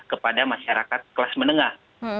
kepada masyarakat kelas menengah